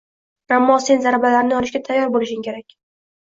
Ammo sen zarbalarni olishga tayyor bo’lishing kerak